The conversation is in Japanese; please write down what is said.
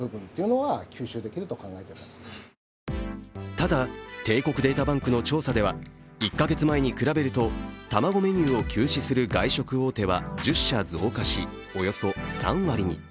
ただ、帝国データバンクの調査では１か月前に比べると卵メニューを休止する外食大手は１０社増加しおよそ３割に。